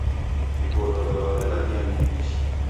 Igodoro w'aw'elalia ni iw'ishi.